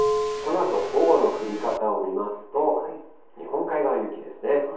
このあと午後の降り方を見ますと、日本海側、雪ですね。